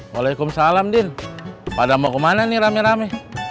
waalaikumsalam din pada mau kemana nih rame rame